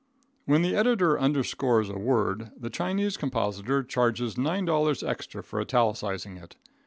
When the editor underscores a word, the Chinese compositor charges $9 extra for italicizing it.